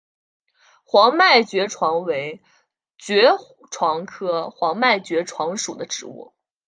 黄脉爵床为爵床科黄脉爵床属的植物。